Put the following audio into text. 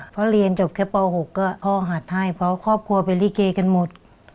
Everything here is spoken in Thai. เพราะเรียนจบแค่ป๖ก็พ่อหัดให้เพราะครอบครัวเป็นลิเกกันหมด